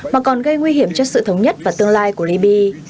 mà còn gây nguy hiểm cho sự thống nhất và tương lai của libya